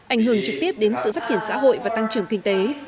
ảnh hưởng trực tiếp đến sự phát triển xã hội và tăng trưởng kinh tế